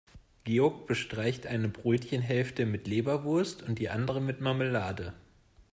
Georg bestreicht eine Brötchenhälfte mit Leberwurst und die andere mit Marmelade.